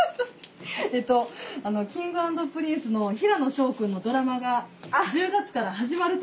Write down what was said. えっとあのＫｉｎｇ＆Ｐｒｉｎｃｅの平野紫耀くんのドラマが１０月から始まると。